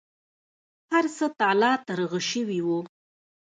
هر څه تالا ترغه شوي وو.